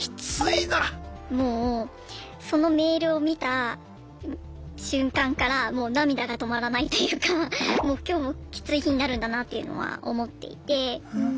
もうそのメールを見た瞬間からもう涙が止まらないというかもう今日もきつい日になるんだなっていうのは思っていて。